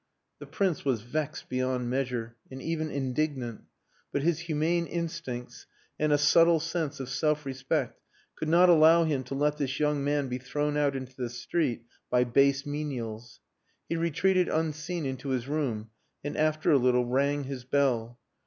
The Prince was vexed beyond measure, and even indignant. But his humane instincts and a subtle sense of self respect could not allow him to let this young man be thrown out into the street by base menials. He retreated unseen into his room, and after a little rang his bell.